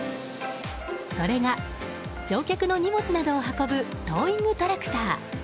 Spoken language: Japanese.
それが、乗客の荷物などを運ぶトーイングトラクター。